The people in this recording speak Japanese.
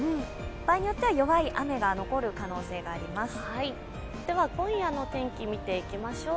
場合によっては弱い雨が残る可能性があります。